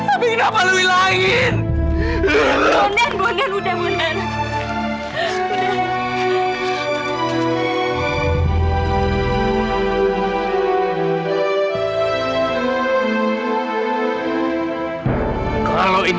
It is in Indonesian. tapi kenapa lu hilangin